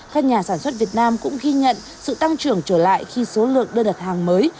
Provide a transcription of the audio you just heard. các nhà sản xuất việt nam cũng ghi nhận sự tăng trưởng trở lại khi số lượng đơn đặt hàng mới